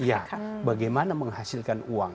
ya bagaimana menghasilkan uang